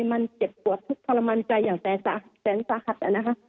มันเจ็บปวดทุกข์ทรมานใจอย่างแสนสาหัสนะคะ